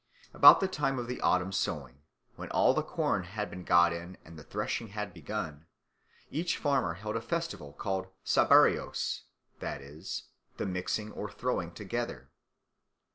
About the time of the autumn sowing, when all the corn had been got in and the threshing had begun, each farmer held a festival called Sabarios, that is, "the mixing or throwing together."